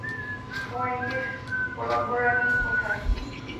তোমার ইংলিশ গোলাপরানি কোথায়?